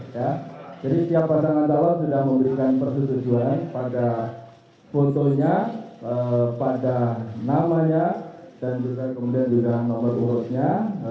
jadi setiap pasangan tahun sudah memberikan persetujuan pada fotonya pada namanya dan juga kemudian juga nomor urutnya